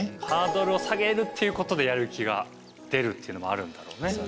ハードルを下げるっていうことでやる気が出るっていうのもあるんだろうね。